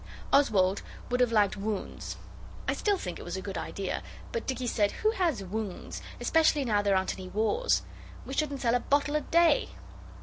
Oswald would have liked wounds. I still think it was a good idea, but Dicky said, 'Who has wounds, especially now there aren't any wars? We shouldn't sell a bottle a day!